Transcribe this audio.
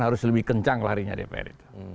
harus lebih kencang larinya dpr itu